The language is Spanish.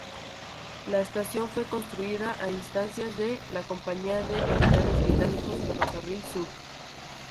La estación fue construida a instancias de la compañía de capitales británicos Ferrocarril Sud.